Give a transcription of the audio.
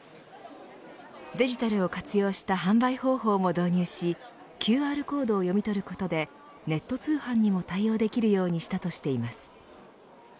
デジタルを活用した販売方法も導入しＱＲコードを読み取ることでネット通販にも対応できるようにしたとしています。